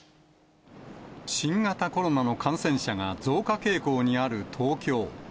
新型コロナの感染者が増加傾向にある東京。